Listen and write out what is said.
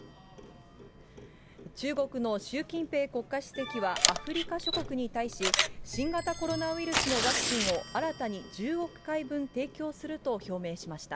中国の習近平国家主席は、アフリカ諸国に対し、新型コロナウイルスのワクチンを新たに１０億回分提供すると表明しました。